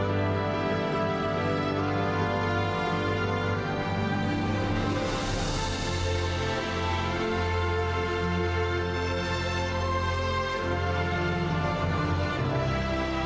โปรดติดตามต่อไป